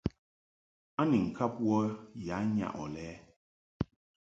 A ni ŋkab wə ya nyaʼ ɔ lɛ ?